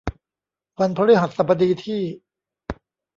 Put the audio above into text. วันพฤหัสบดีที่